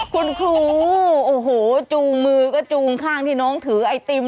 คุณครูโอ้โหจูงมือก็จูงข้างที่น้องถือไอติม